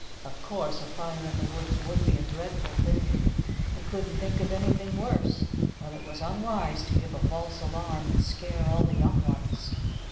Of course, a fire in the woods would be a dreadful thing. They couldn't think of anything worse. But it was unwise to give a false alarm and scare all the young ones.